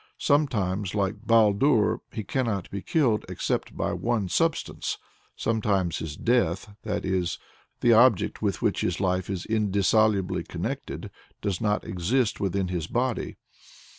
Sometimes, like Baldur, he cannot be killed except by one substance; sometimes his "death" that is, the object with which his life is indissolubly connected does not exist within his body.